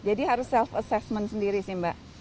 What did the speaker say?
jadi harus self assessment sendiri sih mbak